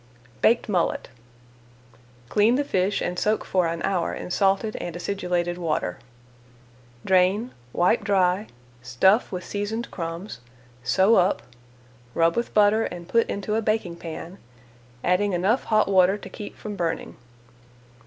BAKED MULLET Clean the fish and soak for an hour in salted and acidulated water. Drain, wipe dry, stuff with seasoned crumbs, sew up, rub with butter [Page 234] and put into a baking pan, adding enough hot water to keep from burning.